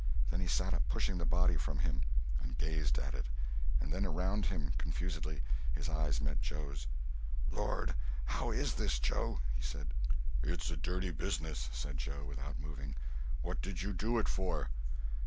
Then he sat up, pushing the body from him, and gazed at it, and then around him, confusedly. His eyes met Joe's. "Lord, how is this, Joe?" he said. "It's a dirty business," said Joe, without moving. "What did you do it for?"